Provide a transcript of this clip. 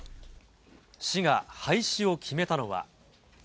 市が廃止を決めたのは。